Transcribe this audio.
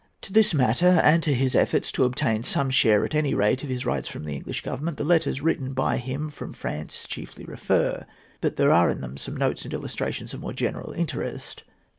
To this matter, and to his efforts to obtain some share, at any rate, of his rights from the English Government, the letters written by him from France chiefly refer. But there are in them some notes and illustrations of more general interest.